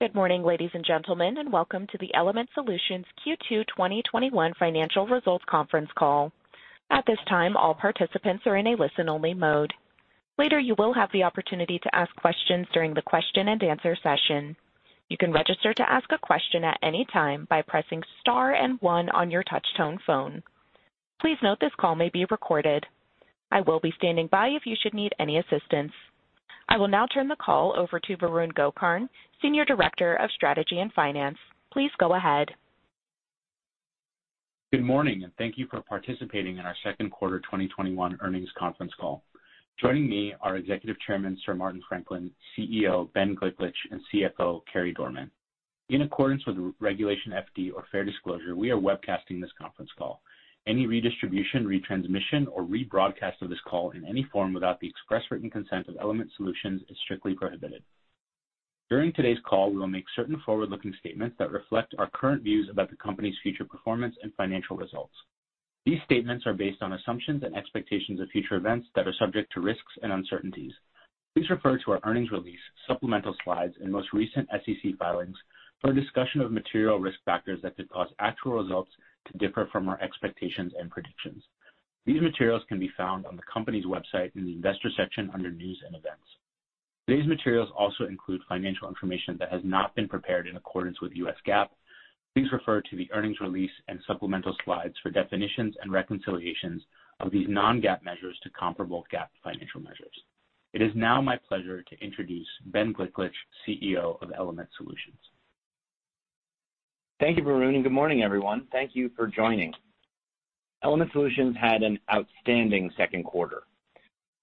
Good morning, ladies and gentlemen, and welcome to the Element Solutions Q2 2021 Financial Results Conference Call. At this time, all participants are in a listen-only mode. Later, you will have the opportunity to ask questions during the question and answer session. You can register to ask a question at any time by pressing star and one on your touch-tone phone. Please note this call may be recorded. I will be standing by if you should need any assistance. I will now turn the call over to Varun Gokarn, Senior Director of Strategy and Finance. Please go ahead. Good morning, and thank you for participating in our Q2 2021 earnings conference call. Joining me are Executive Chairman, Sir Martin Franklin, CEO Ben Gliklich, and CFO Carey Dorman. In accordance with Regulation FD, or fair disclosure, we are webcasting this conference call. Any redistribution, retransmission, or rebroadcast of this call in any form without the express written consent of Element Solutions is strictly prohibited. During today's call, we will make certain forward-looking statements that reflect our current views about the company's future performance and financial results. These statements are based on assumptions and expectations of future events that are subject to risks and uncertainties. Please refer to our earnings release, supplemental slides, and most recent SEC filings for a discussion of material risk factors that could cause actual results to differ from our expectations and predictions. These materials can be found on the company's website in the Investors section under News & Events. Today's materials also include financial information that has not been prepared in accordance with U.S. GAAP. Please refer to the earnings release and supplemental slides for definitions and reconciliations of these non-GAAP measures to comparable GAAP financial measures. It is now my pleasure to introduce Ben Gliklich, CEO of Element Solutions. Thank you, Varun, and good morning, everyone. Thank you for joining. Element Solutions had an outstanding Q2.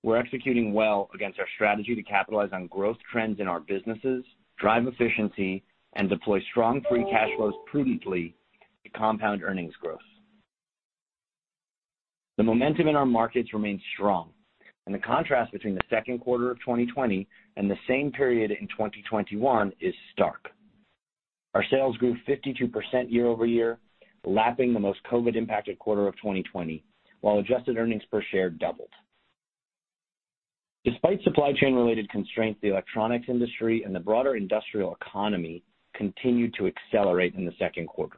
We're executing well against our strategy to capitalize on growth trends in our businesses, drive efficiency, and deploy strong free cash flows prudently to compound earnings growth. The momentum in our markets remains strong, and the contrast between the Q2 of 2020 and the same period in 2021 is stark. Our sales grew 52% YoY, lapping the most COVID-impacted quarter of 2020, while adjusted earnings per share doubled. Despite supply chain-related constraints, the electronics industry and the broader industrial economy continued to accelerate in the Q2.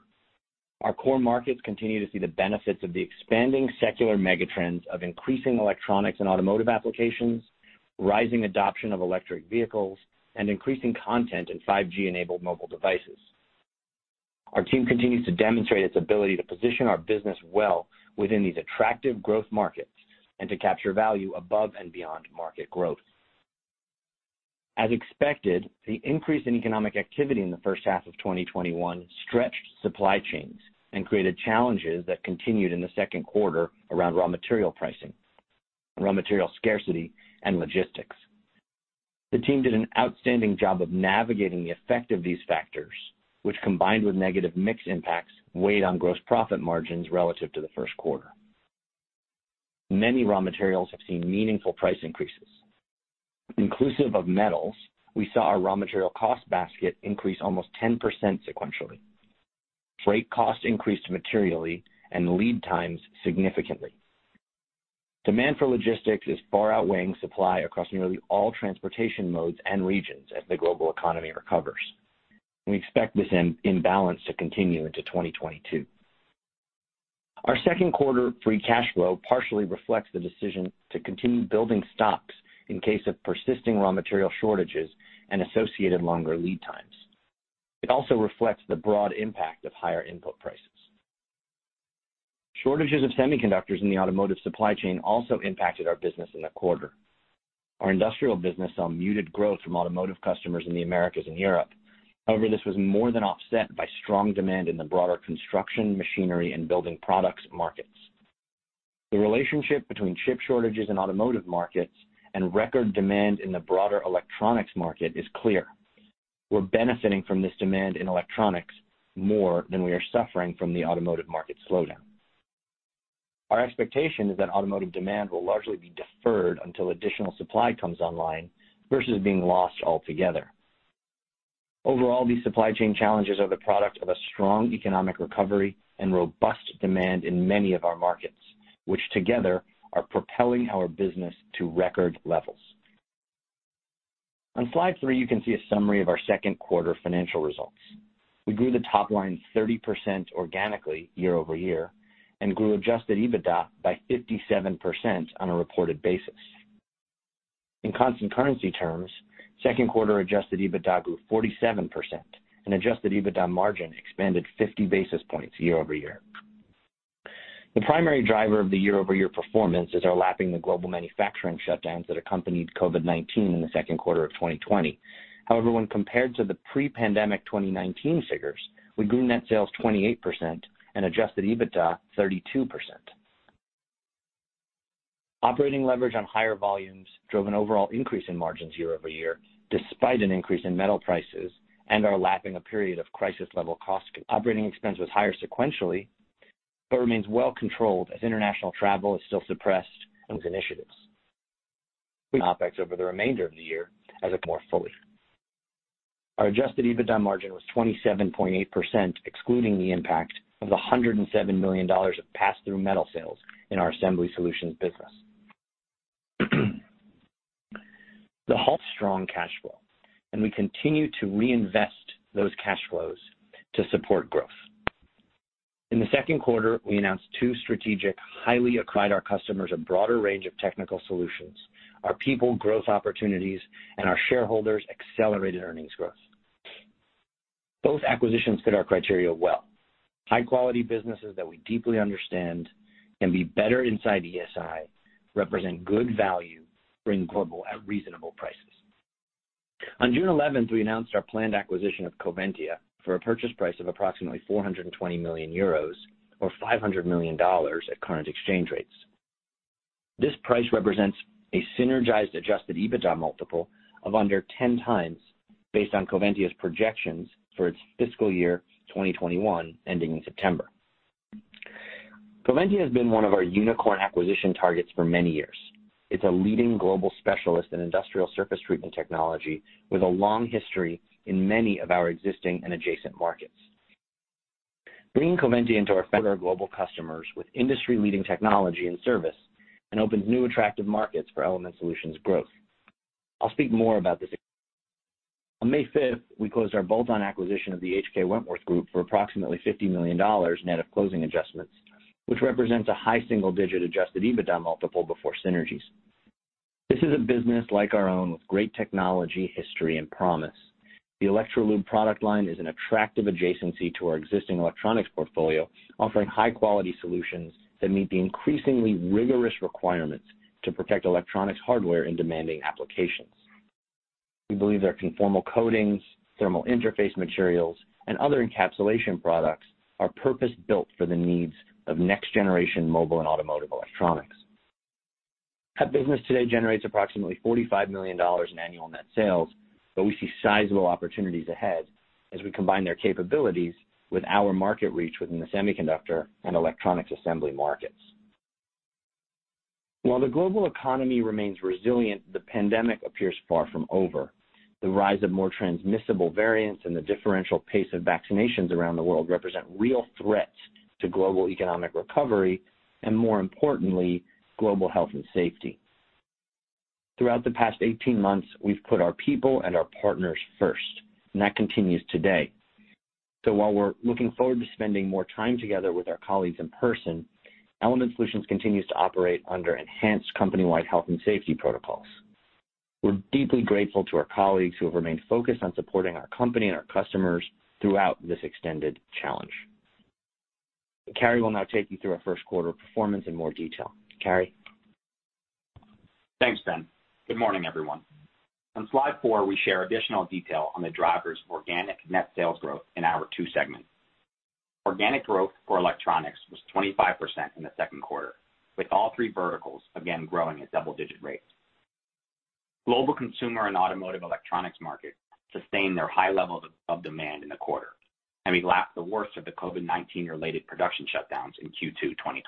Our core markets continue to see the benefits of the expanding secular megatrends of increasing electronics and automotive applications, rising adoption of electric vehicles, and increasing content in 5G-enabled mobile devices. Our team continues to demonstrate its ability to position our business well within these attractive growth markets and to capture value above and beyond market growth. As expected, the increase in economic activity in the H1 of 2021 stretched supply chains and created challenges that continued in the Q2 around raw material pricing, raw material scarcity, and logistics. The team did an outstanding job of navigating the effect of these factors, which, combined with negative mix impacts, weighed on gross profit margins relative to the Q1. Many raw materials have seen meaningful price increases. Inclusive of metals, we saw our raw material cost basket increase almost 10% sequentially. Freight costs increased materially and lead times significantly. Demand for logistics is far outweighing supply across nearly all transportation modes and regions as the global economy recovers. We expect this imbalance to continue into 2022. Our Q2 free cash flow partially reflects the decision to continue building stocks in case of persisting raw material shortages and associated longer lead times. It also reflects the broad impact of higher input prices. Shortages of semiconductors in the automotive supply chain also impacted our business in the quarter. Our industrial business saw muted growth from automotive customers in the Americas and Europe. This was more than offset by strong demand in the broader construction, machinery, and building products markets. The relationship between chip shortages in automotive markets and record demand in the broader electronics market is clear. We're benefiting from this demand in electronics more than we are suffering from the automotive market slowdown. Our expectation is that automotive demand will largely be deferred until additional supply comes online, versus being lost altogether. Overall, these supply chain challenges are the product of a strong economic recovery and robust demand in many of our markets, which together are propelling our business to record levels. On slide three, you can see a summary of our Q2 financial results. We grew the top line 30% organically YoY and grew adjusted EBITDA by 57% on a reported basis. In constant currency terms, Q2 adjusted EBITDA grew 47%, and adjusted EBITDA margin expanded 50 basis points YoY. The primary driver of the YoY performance is our lapping the global manufacturing shutdowns that accompanied COVID-19 in the Q2 of 2020. However, when compared to the pre-pandemic 2019 figures, we grew net sales 28% and adjusted EBITDA 32%. Operating leverage on higher volumes drove an overall increase in margins YoY, despite an increase in metal prices and our lapping a period of crisis-level cost. Operating expense was higher sequentially. Remains well controlled as international travel is still suppressed. Our adjusted EBITDA margin was 27.8%, excluding the impact of the $107 million of pass-through metal sales in our Assembly Solutions business. This helped strong cash flow, and we continue to reinvest those cash flows to support growth. In the Q2, we announced two strategic, highly acquired our customers a broader range of technical solutions, our people growth opportunities, and our shareholders accelerated earnings growth. Both acquisitions fit our criteria well. High-quality businesses that we deeply understand can be better inside ESI, represent good value. On June 11th, we announced our planned acquisition of Coventya for a purchase price of approximately 420 million euros or $500 million at current exchange rates. This price represents a synergized adjusted EBITDA multiple of under 10x based on Coventya's projections for its FY 2021 ending in September. Coventya has been one of our unicorn acquisition targets for many years. It's a leading global specialist in industrial surface treatment technology with a long history in many of our existing and adjacent markets. Bringing Coventya into our global customers with industry-leading technology and service, and opens new attractive markets for Element Solutions growth. I'll speak more about this. On May 5th, we closed our bolt-on acquisition of the H.K. Wentworth Group for approximately $50 million net of closing adjustments, which represents a high single-digit adjusted EBITDA multiple before synergies. This is a business like our own with great technology, history, and promise. The Electrolube product line is an attractive adjacency to our existing electronics portfolio, offering high-quality solutions that meet the increasingly rigorous requirements to protect electronics hardware in demanding applications. We believe their conformal coatings, thermal interface materials, and other encapsulation products are purpose-built for the needs of next-generation mobile and automotive electronics. That business today generates approximately $45 million in annual net sales. We see sizable opportunities ahead as we combine their capabilities with our market reach within the semiconductor and electronics assembly markets. While the global economy remains resilient, the pandemic appears far from over. The rise of more transmissible variants and the differential pace of vaccinations around the world represent real threats to global economic recovery, and more importantly, global health and safety. Throughout the past 18 months, we've put our people and our partners first, and that continues today. While we're looking forward to spending more time together with our colleagues in person, Element Solutions continues to operate under enhanced company-wide health and safety protocols. We're deeply grateful to our colleagues who have remained focused on supporting our company and our customers throughout this extended challenge. Carey will now take you through our Q1 performance in more detail. Carey? Thanks, Ben. Good morning, everyone. On slide four, we share additional detail on the drivers organic net sales growth in our two segments. Organic growth for electronics was 25% in the Q2, with all three verticals again growing at double-digit rates. Global consumer and automotive electronics market sustained their high levels of demand in the quarter, and we lapped the worst of the COVID-19 related production shutdowns in Q2 2020.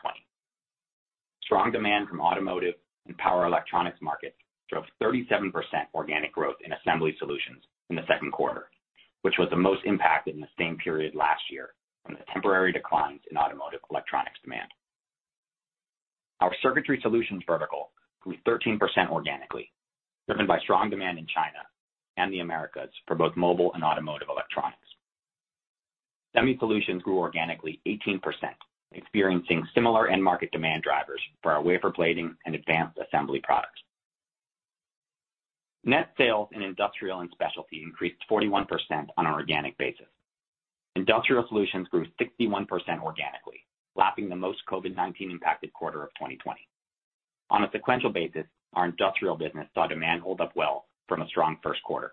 Strong demand from automotive and power electronics markets drove 37% organic growth in Assembly Solutions in the Q2, which was the most impacted in the same period last year from the temporary declines in automotive electronics demand. Our Circuitry Solutions vertical grew 13% organically, driven by strong demand in China and the Americas for both mobile and automotive electronics. Semi Solutions grew organically 18%, experiencing similar end market demand drivers for our wafer plating and advanced assembly products. Net sales in Industrial & Specialty increased 41% on an organic basis. Industrial Solutions grew 61% organically, lapping the most COVID-19 impacted quarter of 2020. On a sequential basis, our industrial business saw demand hold up well from a strong Q1,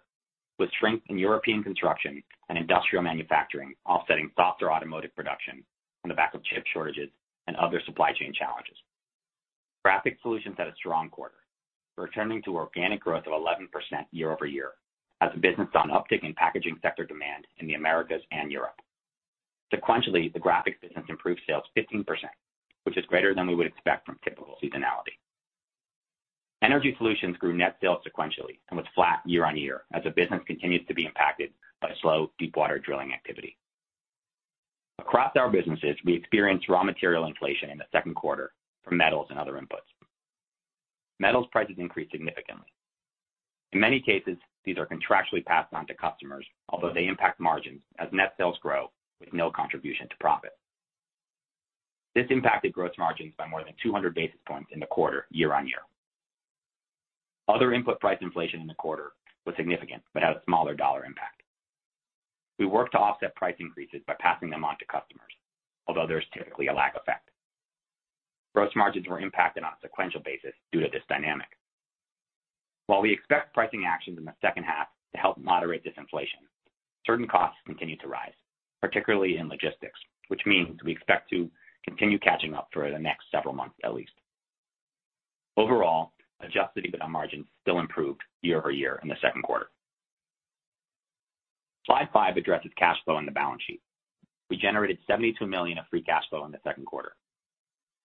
with strength in European construction and industrial manufacturing offsetting softer automotive production on the back of chip shortages and other supply chain challenges. Graphics Solutions had a strong quarter, returning to organic growth of 11% YoY as the business saw an uptick in packaging sector demand in the Americas and Europe. Sequentially, the graphic business improved sales 15%, which is greater than we would expect from typical seasonality. Energy Solutions grew net sales sequentially and was flat year-on-year as the business continues to be impacted by slow deepwater drilling activity. Across our businesses, we experienced raw material inflation in the Q2 from metals and other inputs. Metals prices increased significantly. In many cases, these are contractually passed on to customers, although they impact margins as net sales grow with no contribution to profit. This impacted gross margins by more than 200 basis points in the quarter YoY. Other input price inflation in the quarter was significant but had a smaller dollar impact. We worked to offset price increases by passing them on to customers, although there's typically a lag effect. Gross margins were impacted on a sequential basis due to this dynamic. While we expect pricing actions in the H2 to help moderate this inflation, certain costs continue to rise, particularly in logistics, which means we expect to continue catching up for the next several months at least. Overall, adjusted EBITDA margin still improved YoY in the Q2. Slide five addresses cash flow on the balance sheet. We generated $72 million of free cash flow in the Q2.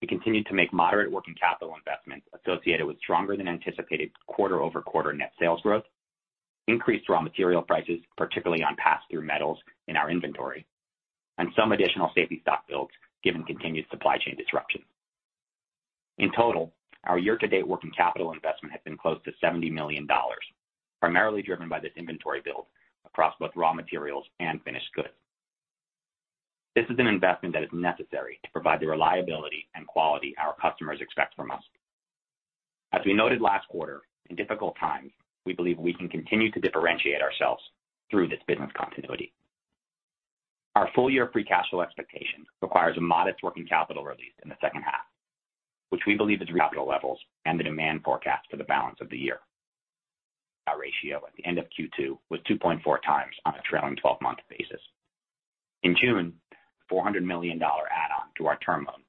we continued to make moderate working capital investments associated with stronger than anticipated QoQ net sales growth, increased raw material prices, particularly on passthrough metals in our inventory, and some additional safety stock builds given continued supply chain disruption. In total, our year-to-date working capital investment has been close to $70 million, primarily driven by this inventory build across both raw materials and finished goods. This is an investment that is necessary to provide the reliability and quality our customers expect from us. As we noted last quarter, in difficult times, we believe we can continue to differentiate ourselves through this business continuity. Our full-year free cash flow expectation requires a modest working capital release in the H2, which we believe is capital levels and the demand forecast for the balance of the year. Our ratio at the end of Q2 was 2.4 times on a trailing 12-month basis. In June, a $400 million add-on to our term loan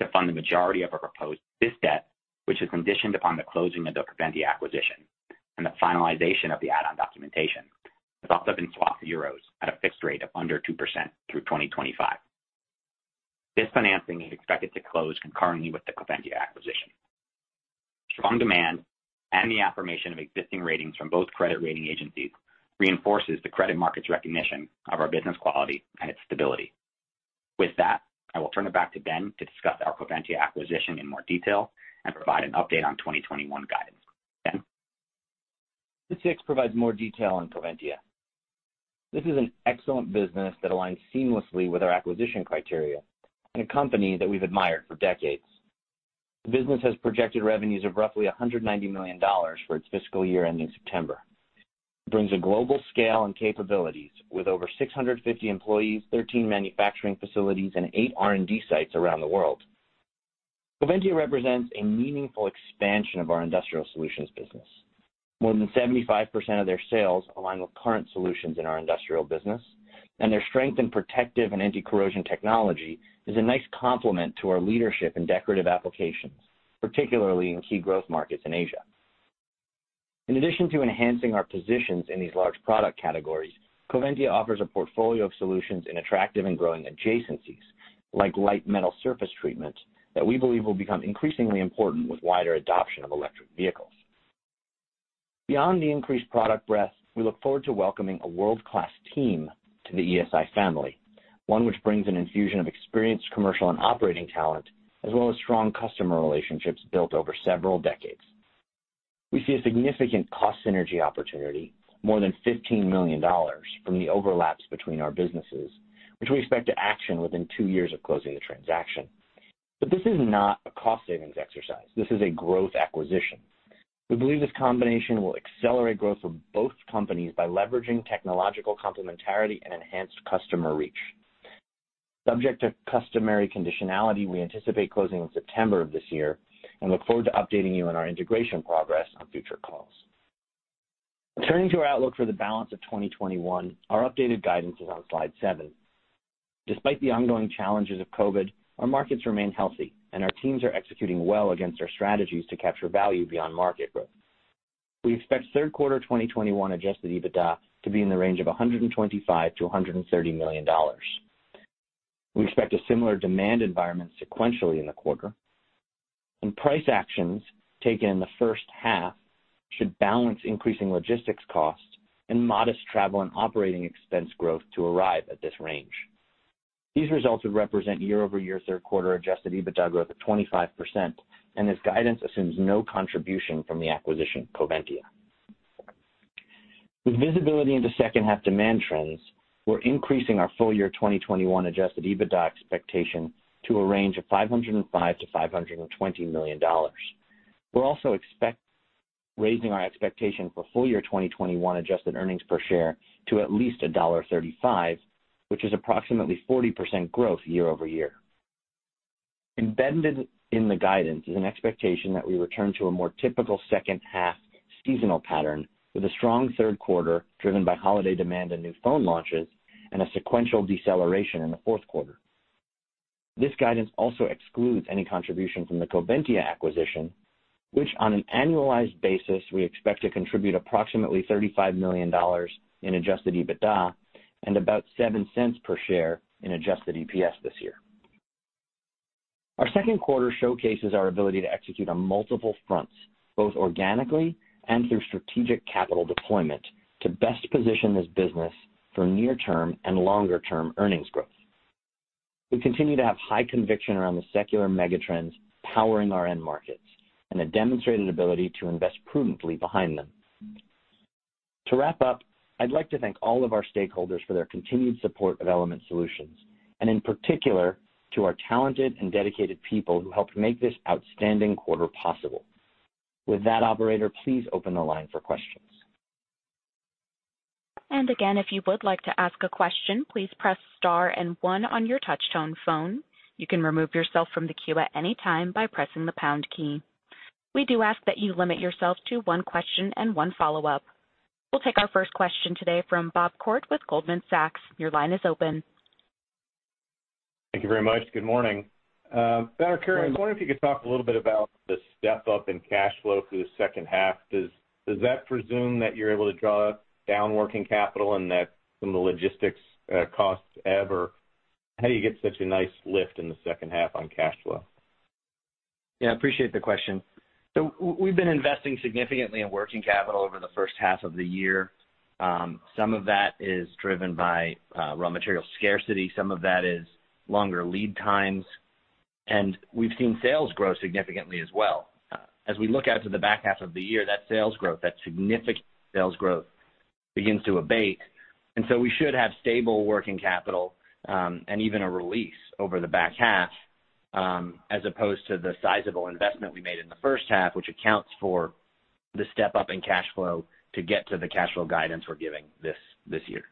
to fund the majority of our proposed biz debt, which is conditioned upon the closing of the Coventya acquisition and the finalization of the add-on documentation. It has also been swapped for euros at a fixed rate of under 2% through 2025. This financing is expected to close concurrently with the Coventya acquisition. Strong demand and the affirmation of existing ratings from both credit rating agencies reinforces the credit market's recognition of our business quality and its stability. With that, I will turn it back to Ben to discuss our Coventya acquisition in more detail and provide an update on 2021 guidance. Ben? This provides more detail on Coventya. This is an excellent business that aligns seamlessly with our acquisition criteria and a company that we've admired for decades. The business has projected revenues of roughly $190 million for its fiscal year ending September. It brings a global scale and capabilities with over 650 employees, 13 manufacturing facilities, and eight R&D sites around the world. Coventya represents a meaningful expansion of our Industrial Solutions business. More than 75% of their sales align with current solutions in our Industrial Solutions, and their strength in protective and anti-corrosion technology is a nice complement to our leadership in decorative applications, particularly in key growth markets in Asia. In addition to enhancing our positions in these large product categories, Coventya offers a portfolio of solutions in attractive and growing adjacencies, like light metal surface treatment, that we believe will become increasingly important with wider adoption of electric vehicles. Beyond the increased product breadth, we look forward to welcoming a world-class team to the ESI family, one which brings an infusion of experienced commercial and operating talent, as well as strong customer relationships built over several decades. We see a significant cost synergy opportunity, more than $15 million from the overlaps between our businesses, which we expect to action within two years of closing the transaction. This is not a cost savings exercise. This is a growth acquisition. We believe this combination will accelerate growth for both companies by leveraging technological complementarity and enhanced customer reach. Subject to customary conditionality, we anticipate closing in September of this year and look forward to updating you on our integration progress on future calls. Turning to our outlook for the balance of 2021, our updated guidance is on slide seven. Despite the ongoing challenges of COVID, our markets remain healthy, and our teams are executing well against our strategies to capture value beyond market growth. We expect Q3 2021 adjusted EBITDA to be in the range of $125 million-$130 million. We expect a similar demand environment sequentially in the quarter, and price actions taken in the H1 should balance increasing logistics costs and modest travel and operating expense growth to arrive at this range. These results would represent YoY Q3 adjusted EBITDA growth of 25%, and this guidance assumes no contribution from the acquisition of Coventya. With visibility into H2 demand trends, we're increasing our full year 2021 adjusted EBITDA expectation to a range of $505 million-$520 million. We're also raising our expectation for full year 2021 adjusted earnings per share to at least $1.35, which is approximately 40% growth YoY. Embedded in the guidance is an expectation that we return to a more typical H2 seasonal pattern with a strong Q3 driven by holiday demand and new phone launches, and a sequential deceleration in the Q4. This guidance also excludes any contribution from the Coventya acquisition, which on an annualized basis, we expect to contribute approximately $35 million in adjusted EBITDA and about $0.07 per share in adjusted EPS this year. Our Q2 showcases our ability to execute on multiple fronts, both organically and through strategic capital deployment to best position this business for near-term and longer-term earnings growth. We continue to have high conviction around the secular mega trends powering our end markets and a demonstrated ability to invest prudently behind them. To wrap up, I'd like to thank all of our stakeholders for their continued support of Element Solutions, and in particular, to our talented and dedicated people who helped make this outstanding quarter possible. With that, operator, please open the line for questions. Again, if you would like to ask a question, please press star and one on your touchtone phone. You can remove yourself from the queue at any time by pressing the pound key. We do ask that you limit yourself to one question and one follow-up. We'll take our first question today from Bob Koort with Goldman Sachs. Your line is open. Thank you very much. Good morning. Ben or Carey, I was wondering if you could talk a little bit about the step-up in cash flow through the H2. Does that presume that you're able to draw down working capital and that some of the logistics costs ebb, or how do you get such a nice lift in the H2 on cash flow? Yeah, appreciate the question. We've been investing significantly in working capital over the H1 of the year. Some of that is driven by raw material scarcity, some of that is longer lead times, and we've seen sales grow significantly as well. As we look out to the back half of the year, that sales growth, that significant sales growth, begins to abate. We should have stable working capital, and even a release over the back half, as opposed to the sizable investment we made in the H1, which accounts for the step-up in cash flow to get to the cash flow guidance we're giving this year.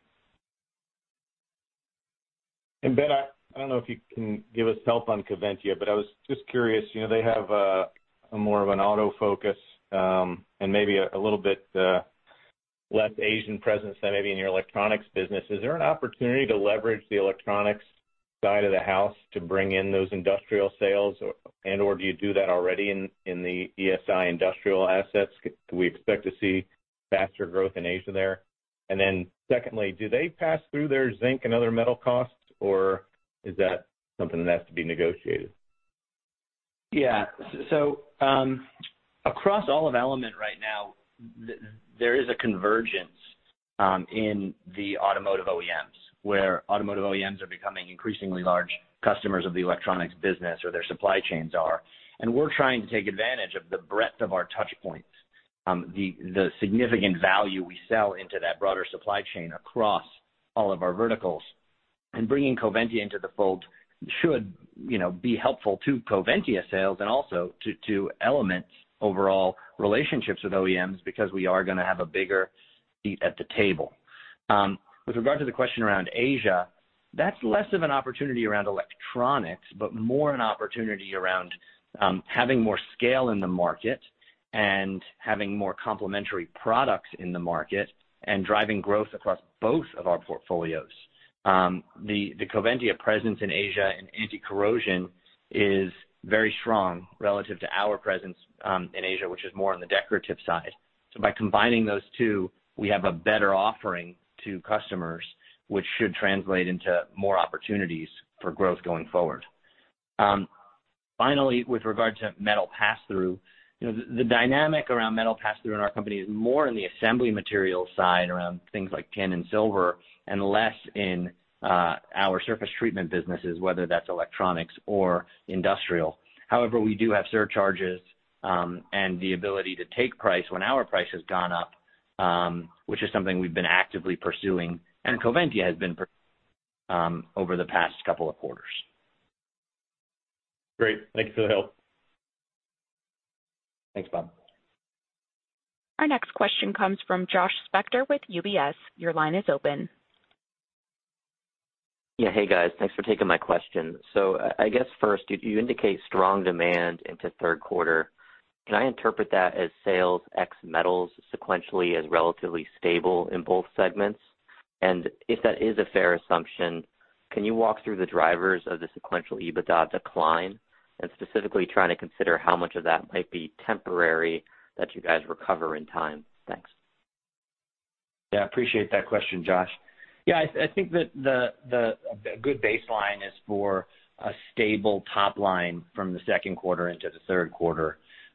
Ben, I don't know if you can give us help on Coventya, but I was just curious, they have a more of an auto focus, and maybe a little bit, less Asian presence than maybe in your Electronics business. Is there an opportunity to leverage the Electronics side of the house to bring in those industrial sales, and/or do you do that already in the ESI industrial assets? Can we expect to see faster growth in Asia there? Secondly, do they pass through their zinc and other metal costs, or is that something that has to be negotiated? Yeah. Across all of Element right now, there is a convergence in the automotive OEMs, where automotive OEMs are becoming increasingly large customers of the Electronics business, or their supply chains are. We're trying to take advantage of the breadth of our touch points, the significant value we sell into that broader supply chain across all of our verticals. And bringing Coventya into the fold should be helpful to Coventya sales and also to Element's overall relationships with OEMs, because we are going to have a bigger seat at the table. With regard to the question around Asia, that's less of an opportunity around Electronics, but more an opportunity around having more scale in the market and having more complementary products in the market, and driving growth across both of our portfolios. The Coventya presence in Asia and anti-corrosion is very strong relative to our presence in Asia, which is more on the decorative side. By combining those two, we have a better offering to customers, which should translate into more opportunities for growth going forward. Finally, with regard to metal pass-through, the dynamic around metal pass-through in our company is more in the assembly material side around things like tin and silver, and less in our surface treatment businesses, whether that's Electronics or Industrial Solutions. However, we do have surcharges, and the ability to take price when our price has gone up, which is something we've been actively pursuing, and Coventya has been over the past couple of quarters. Great. Thank you for the help. Thanks, Bob. Our next question comes from Joshua Spector with UBS. Your line is open. Yeah. Hey, guys. Thanks for taking my question. I guess first, you indicate strong demand into Q3. Can I interpret that as sales ex metals sequentially as relatively stable in both segments? If that is a fair assumption, can you walk through the drivers of the sequential EBITDA decline? Specifically trying to consider how much of that might be temporary that you guys recover in time. Thanks. Appreciate that question, Josh. I think that a good baseline is for a stable top line from the Q2 into the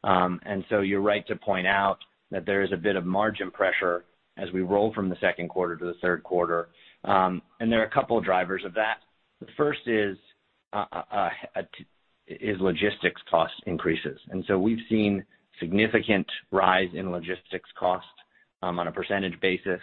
Q3. You're right to point out that there is a bit of margin pressure as we roll from the Q2 to the Q3. There are a couple of drivers of that. The first is logistics cost increases. We've seen significant rise in logistics cost, on a percentage basis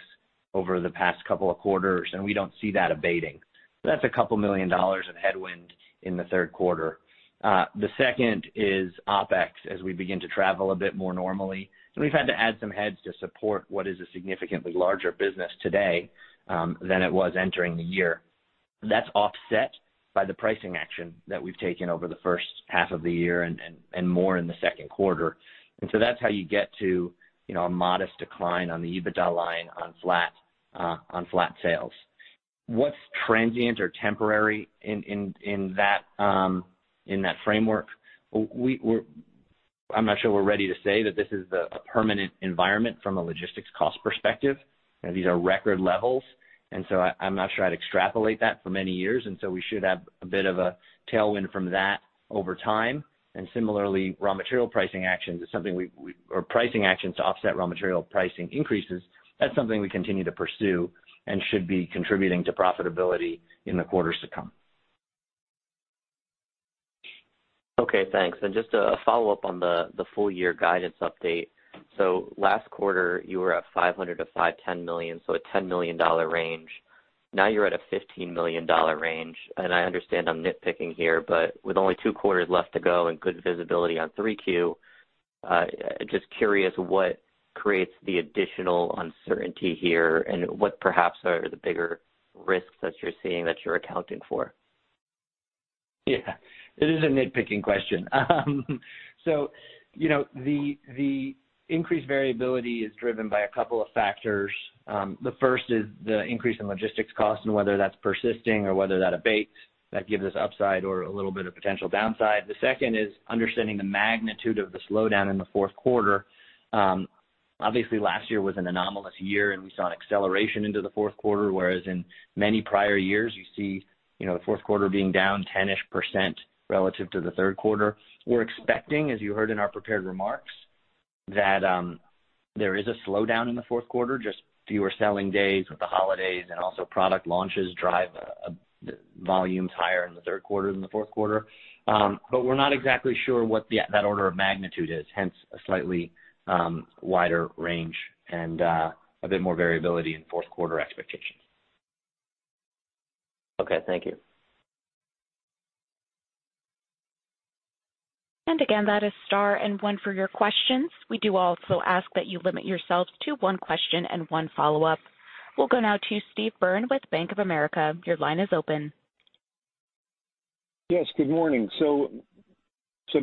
over the past couple of quarters, and we don't see that abating. That's a couple million dollars of headwind in the Q3. The second is OpEx, as we begin to travel a bit more normally. We've had to add some heads to support what is a significantly larger business today than it was entering the year. That's offset by the pricing action that we've taken over the H1 of the year and more in the Q2. That's how you get to a modest decline on the EBITDA line on flat sales. What's transient or temporary in that framework, I'm not sure we're ready to say that this is the permanent environment from a logistics cost perspective. These are record levels, I'm not sure I'd extrapolate that for many years. We should have a bit of a tailwind from that over time. Similarly, raw material pricing actions or pricing actions to offset raw material pricing increases, that's something we continue to pursue and should be contributing to profitability in the quarters to come. Okay, thanks. Just a follow-up on the full year guidance update. Last quarter, you were at $500 million-$510 million, a $10 million range. Now you're at a $15 million range. I understand I'm nitpicking here, but with only two quarters left to go and good visibility on three Q, just curious what creates the additional uncertainty here and what perhaps are the bigger risks that you're seeing that you're accounting for? Yeah. It is a nitpicking question. The increased variability is driven by a couple of factors. The first is the increase in logistics cost and whether that's persisting or whether that abates. That gives us upside or a little bit of potential downside. The second is understanding the magnitude of the slowdown in the Q4. obviously, last year was an anomalous year, and we saw an acceleration into the Q4, whereas in many prior years, you see the Q4 being down 10-ish% relative to the Q3. We're expecting, as you heard in our prepared remarks, that there is a slowdown in the Q4, just fewer selling days with the holidays and also product launches drive volumes higher in the Q3 than the Q4. We're not exactly sure what that order of magnitude is, hence a slightly wider range and a bit more variability in Q4 expectations. Okay, thank you. Again, that is star and one for your questions. We do also ask that you limit yourselves to one question and one follow-up. We will go now to Steve Byrne with Bank of America. Your line is open. Yes, good morning.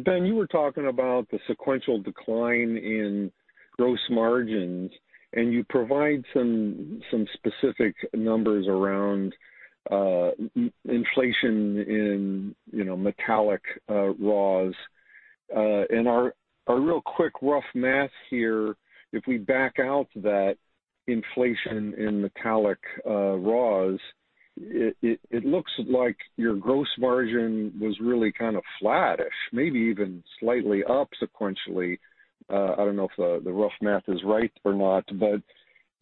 Ben, you were talking about the sequential decline in gross margins, and you provide some specific numbers around inflation in metallic raws. Our real quick rough math here, if we back out that inflation in metallic raws, it looks like your gross margin was really kind of flattish, maybe even slightly up sequentially. I don't know if the rough math is right or not, but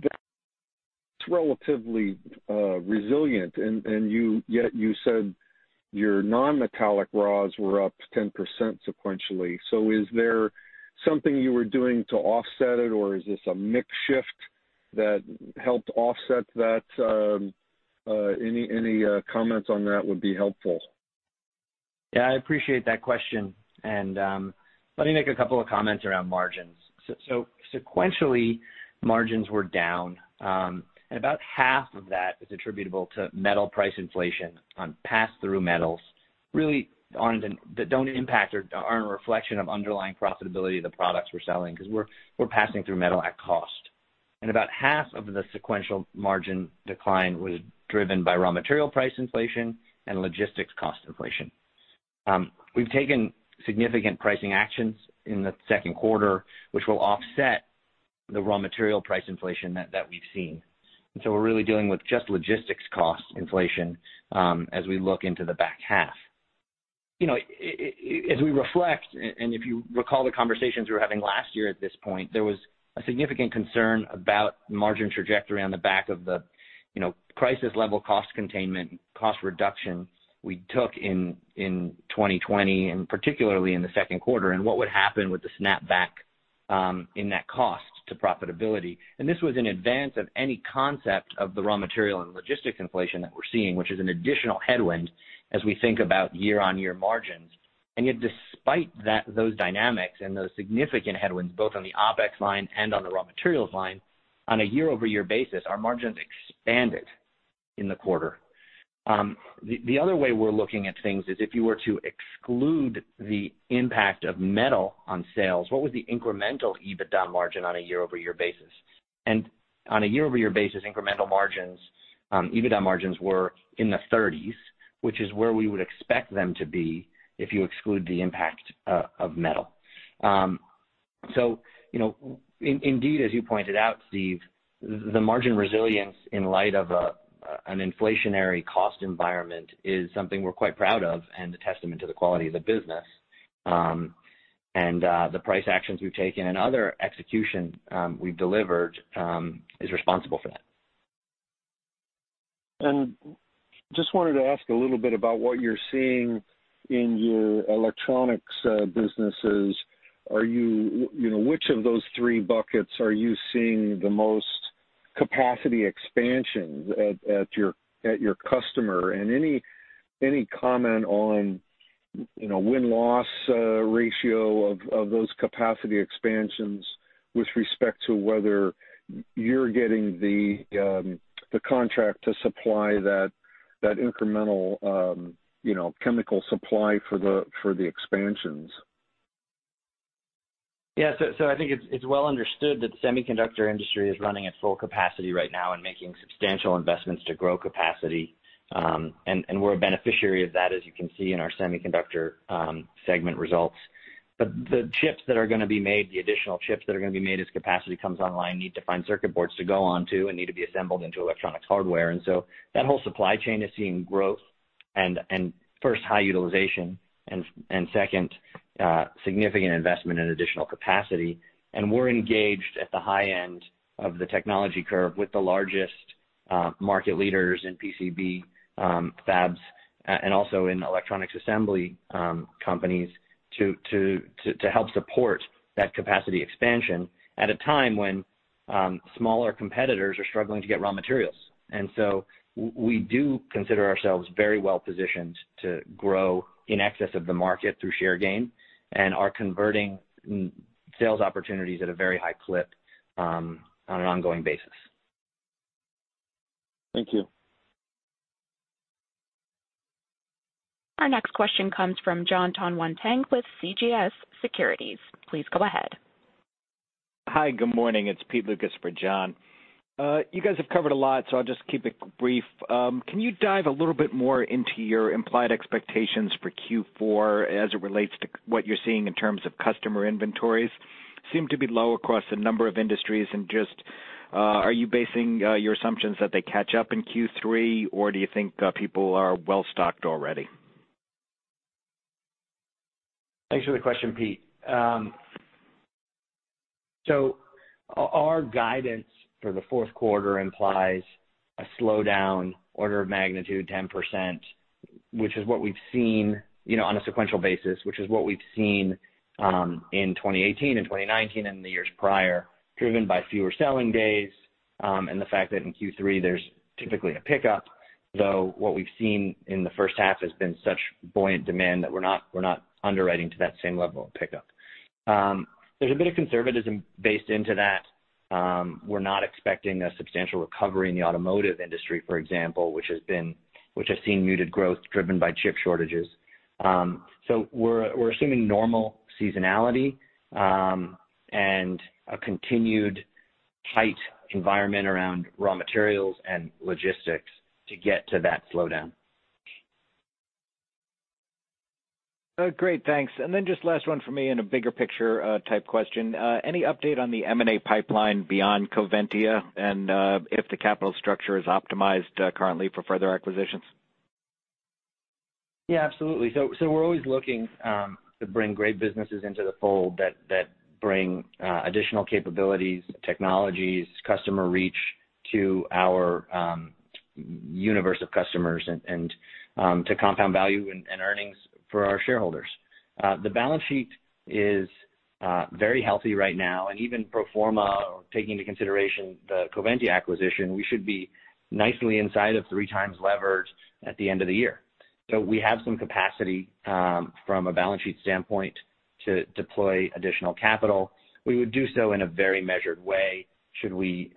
that's relatively resilient. Yet you said your non-metallic raws were up 10% sequentially. Is there something you were doing to offset it, or is this a mix shift that helped offset that? Any comments on that would be helpful. Yeah, I appreciate that question. Let me make a couple of comments around margins. Sequentially, margins were down. About half of that is attributable to metal price inflation on pass-through metals, really that don't impact or aren't a reflection of underlying profitability of the products we're selling because we're passing through metal at cost. About half of the sequential margin decline was driven by raw material price inflation and logistics cost inflation. We've taken significant pricing actions in the Q2, which will offset the raw material price inflation that we've seen. We're really dealing with just logistics cost inflation as we look into the back half. As we reflect, if you recall the conversations we were having last year at this point, there was a significant concern about margin trajectory on the back of the crisis-level cost containment, cost reduction we took in 2020, and particularly in the Q2, and what would happen with the snap back in that cost to profitability. This was in advance of any concept of the raw material and logistics inflation that we're seeing, which is an additional headwind as we think about year-on-year margins. Yet, despite those dynamics and those significant headwinds, both on the OpEx line and on the raw materials line, on a YoY basis, our margins expanded in the quarter. The other way we're looking at things is if you were to exclude the impact of metal on sales, what was the incremental EBITDA margin on a YoY basis? On a YoY basis, incremental margins, EBITDA margins were in the 30s, which is where we would expect them to be if you exclude the impact of metal. Indeed, as you pointed out, Steve, the margin resilience in light of an inflationary cost environment is something we're quite proud of and a testament to the quality of the business. The price actions we've taken and other execution we've delivered is responsible for that. Just wanted to ask a little bit about what you're seeing in your electronics businesses. Which of those three buckets are you seeing the most capacity expansion at your customer? Any comment on win-loss ratio of those capacity expansions with respect to whether you're getting the contract to supply that incremental chemical supply for the expansions? Yeah. I think it's well understood that the semiconductor industry is running at full capacity right now and making substantial investments to grow capacity. We're a beneficiary of that, as you can see in our semiconductor segment results. The chips that are going to be made, the additional chips that are going to be made as capacity comes online, need to find circuit boards to go onto and need to be assembled into electronics hardware. That whole supply chain is seeing growth and first, high utilization, and second, significant investment in additional capacity. We're engaged at the high end of the technology curve with the largest market leaders in PCB fabs and also in electronics assembly companies to help support that capacity expansion at a time when smaller competitors are struggling to get raw materials. We do consider ourselves very well positioned to grow in excess of the market through share gain and are converting sales opportunities at a very high clip on an ongoing basis. Thank you. Our next question comes from John Tanwanteng with CJS Securities. Please go ahead. Hi, good morning. It's Pete Lucas for John. You guys have covered a lot, so I'll just keep it brief. Can you dive a little bit more into your implied expectations for Q4 as it relates to what you're seeing in terms of customer inventories? Seem to be low across a number of industries and just, are you basing your assumptions that they catch up in Q3, or do you think people are well-stocked already? Thanks for the question, Pete. Our guidance for the Q4 implies a slowdown order of magnitude 10%, which is what we've seen on a sequential basis, which is what we've seen in 2018 and 2019 and the years prior, driven by fewer selling days, and the fact that in Q3, there's typically a pickup, though what we've seen in the H1 has been such buoyant demand that we're not underwriting to that same level of pickup. There's a bit of conservatism based into that. We're not expecting a substantial recovery in the automotive industry, for example, which has seen muted growth driven by chip shortages. We're assuming normal seasonality, and a continued tight environment around raw materials and logistics to get to that slowdown. Great. Thanks. Just last one from me and a bigger picture type question. Any update on the M&A pipeline beyond Coventya? If the capital structure is optimized currently for further acquisitions. Yeah, absolutely. We're always looking to bring great businesses into the fold that bring additional capabilities, technologies, customer reach to our universe of customers and to compound value and earnings for our shareholders. The balance sheet is very healthy right now and even pro forma, taking into consideration the Coventya acquisition, we should be nicely inside of 3x leverage at the end of the year. We have some capacity from a balance sheet standpoint to deploy additional capital. We would do so in a very measured way should we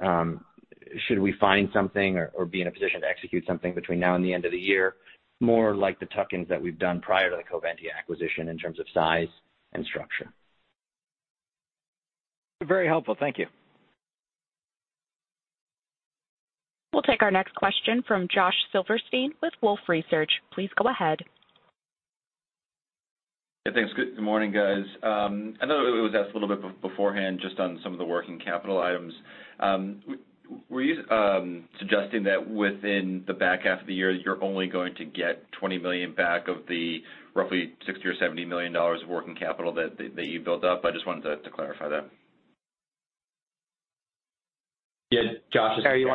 find something or be in a position to execute something between now and the end of the year. More like the tuck-ins that we've done prior to the Coventya acquisition in terms of size and structure. Very helpful. Thank you. We'll take our next question from Joshua Silverstein with Wolfe Research. Please go ahead. Yeah, thanks. Good morning, guys. I know it was asked a little bit beforehand just on some of the working capital items. Were you suggesting that within the back half of the year, you're only going to get $20 million back of the roughly $60 million or $70 million of working capital that you built up? I just wanted to clarify that. Yeah, Josh. Carey,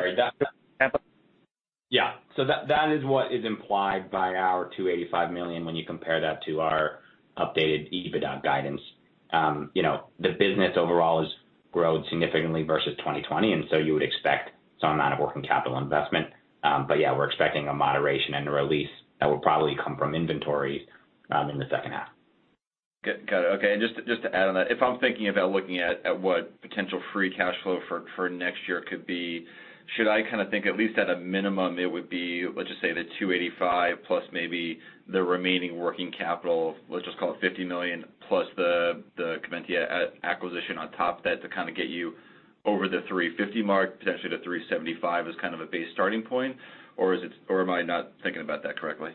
Yeah. That is what is implied by our $285 million when you compare that to our updated EBITDA guidance. The business overall has grown significantly versus 2020, you would expect some amount of working capital investment. Yeah, we're expecting a moderation and a release that will probably come from inventory in the H2. Got it. Okay. Just to add on that, if I'm thinking about looking at what potential free cash flow for next year could be, should I kind of think at least at a minimum it would be, let's just say the $285 plus maybe the remaining working capital of let's just call it $50 million plus the Coventya acquisition on top of that to kind of get you over the $350 mark, potentially to $375 as kind of a base starting point? Am I not thinking about that correctly?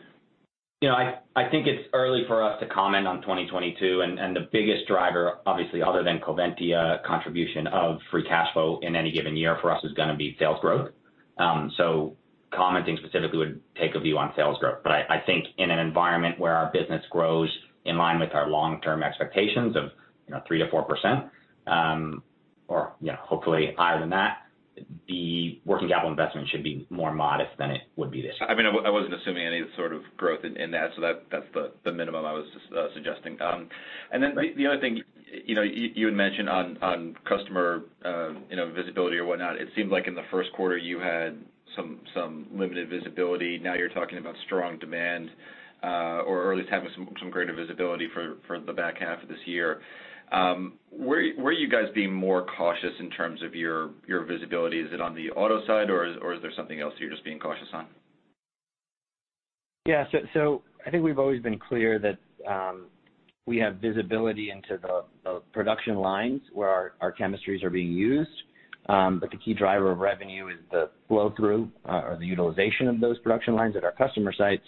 I think it's early for us to comment on 2022. The biggest driver, obviously other than Coventya contribution of free cash flow in any given year for us is gonna be sales growth. Commenting specifically would take a view on sales growth. I think in an environment where our business grows in line with our long-term expectations of 3%-4%, or hopefully higher than that, the working capital investment should be more modest than it would be this year. I wasn't assuming any sort of growth in that, so that's the minimum I was suggesting. The other thing you had mentioned on customer visibility or whatnot. It seemed like in the Q1 you had some limited visibility. Now you're talking about strong demand, or at least having some greater visibility for the back half of this year. Where are you guys being more cautious in terms of your visibility? Is it on the auto side, or is there something else you're just being cautious on? Yeah. I think we've always been clear that we have visibility into the production lines where our chemistries are being used. The key driver of revenue is the flow-through or the utilization of those production lines at our customer sites.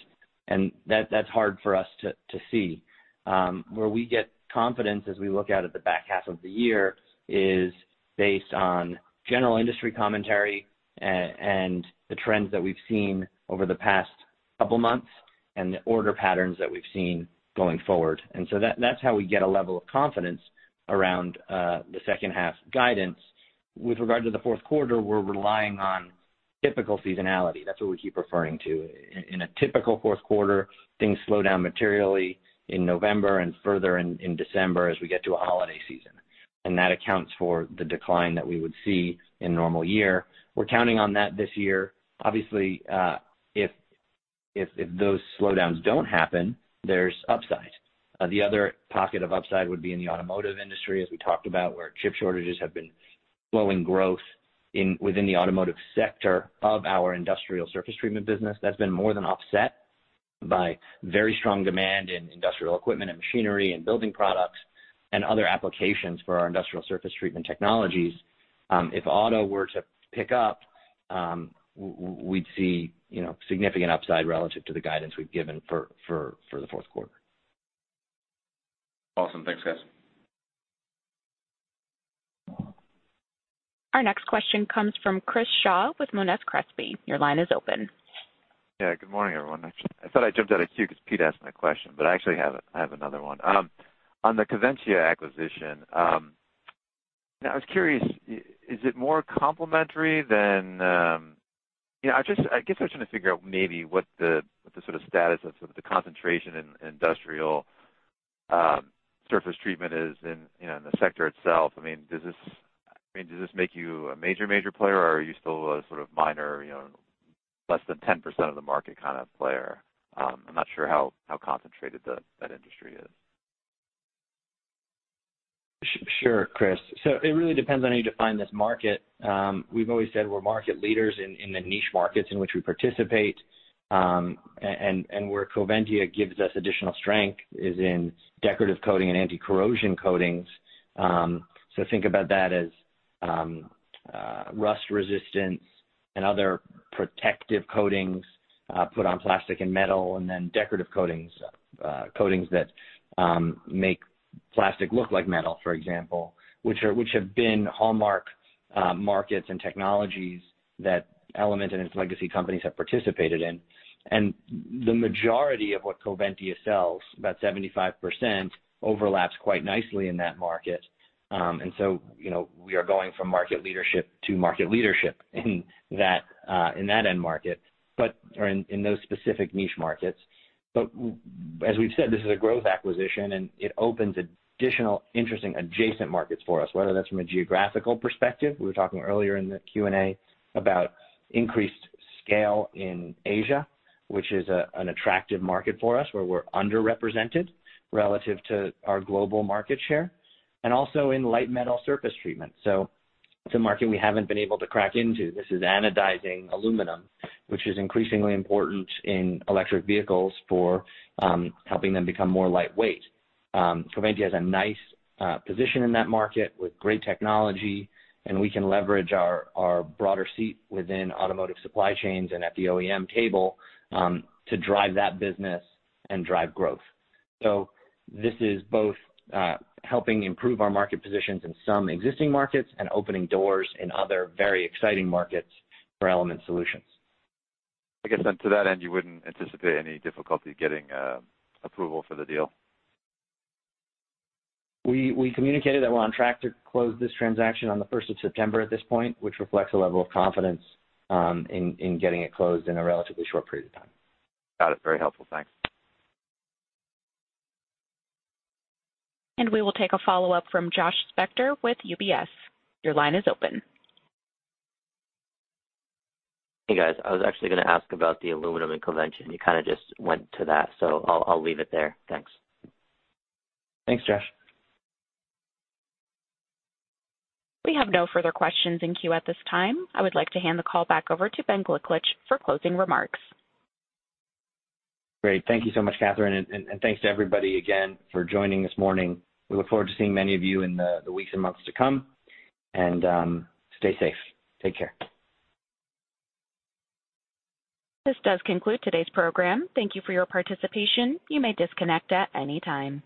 That's hard for us to see. Where we get confidence as we look out at the back half of the year is based on general industry commentary and the trends that we've seen over the past couple months and the order patterns that we've seen going forward. That's how we get a level of confidence around the H2 guidance. With regard to the Q4, we're relying on typical seasonality. That's what we keep referring to. In a typical Q4, things slow down materially in November and further in December as we get to a holiday season. That accounts for the decline that we would see in a normal year. We're counting on that this year. Obviously if those slowdowns don't happen, there's upside. The other pocket of upside would be in the automotive industry, as we talked about, where chip shortages have been slowing growth within the automotive sector of our industrial surface treatment business. That's been more than offset by very strong demand in industrial equipment and machinery and building products and other applications for our industrial surface treatment technologies. If auto were to pick up, we'd see significant upside relative to the guidance we've given for the Q4. Awesome. Thanks, guys. Our next question comes from Chris Shaw with Monness Crespi. Your line is open. Yeah. Good morning, everyone. I thought I jumped out of queue because Pete asked my question, but I actually have another one. On the Coventya acquisition, I was curious, is it more complementary than I guess I was trying to figure out maybe what the sort of status of the concentration in industrial surface treatment is in the sector itself. Does this make you a major player, or are you still a sort of minor, less than 10% of the market kind of player? I'm not sure how concentrated that industry is. Sure, Chris. It really depends on how you define this market. We've always said we're market leaders in the niche markets in which we participate. Where Coventya gives us additional strength is in decorative coating and anti-corrosion coatings. Think about that as rust resistance and other protective coatings put on plastic and metal, and then decorative coatings that make plastic look like metal, for example, which have been hallmark markets and technologies that Element and its legacy companies have participated in. The majority of what Coventya sells, about 75%, overlaps quite nicely in that market. We are going from market leadership to market leadership in that end market, or in those specific niche markets. As we've said, this is a growth acquisition, and it opens additional interesting adjacent markets for us, whether that's from a geographical perspective. We were talking earlier in the Q&A about increased scale in Asia, which is an attractive market for us, where we're underrepresented relative to our global market share, and also in light metal surface treatment. It's a market we haven't been able to crack into. This is anodizing aluminum, which is increasingly important in electric vehicles for helping them become more lightweight. Coventya has a nice position in that market with great technology, and we can leverage our broader seat within automotive supply chains and at the OEM table to drive that business and drive growth. This is both helping improve our market positions in some existing markets and opening doors in other very exciting markets for Element Solutions. I guess then to that end, you wouldn't anticipate any difficulty getting approval for the deal? We communicated that we're on track to close this transaction on the September 1st at this point, which reflects a level of confidence in getting it closed in a relatively short period of time. Got it. Very helpful. Thanks. We will take a follow-up from Joshua Spector with UBS. Your line is open. Hey, guys. I was actually gonna ask about the aluminum and Coventya, and you kind of just went to that, so I'll leave it there. Thanks. Thanks, Josh. We have no further questions in queue at this time. I would like to hand the call back over to Benjamin Gliklich for closing remarks. Great. Thank you so much, Catherine. Thanks to everybody again for joining this morning. We look forward to seeing many of you in the weeks and months to come. Stay safe. Take care. This does conclude today's program. Thank you for your participation. You may disconnect at any time.